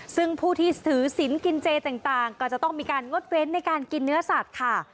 ซึ่งผู้ที่ถือศิลป์กินเจต่างก็จะต้องมีการงดเว้นในการกินเนื้อสัตว์ค่ะ